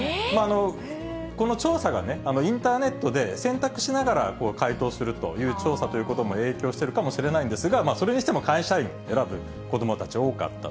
この調査がね、インターネットで選択しながら回答するという調査ということも影響してるかもしれないんですが、それにしても会社員選ぶ子どもたち、多かった。